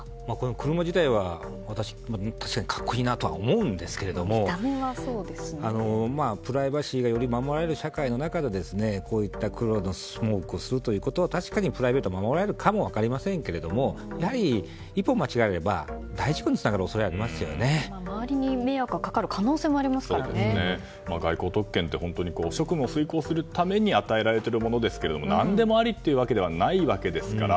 車自体は、私格好いいなと思うんですけどプライバシーがより守られる社会の中でこういった黒のスモークをすることは確かにプライベートが守られるかも分かりませんがやはり、一歩間違えれば大事故につながる恐れが周りに迷惑がかかる外交特権というのは職務を遂行するために与えられているものですが何でもありっていうわけではないわけですから。